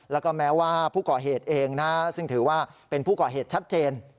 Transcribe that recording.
แล้วก็แม้ว่าผู้ก่อเหตุเองซึ่งถือว่าเป็นผู้ก่อเหตุชัดเจน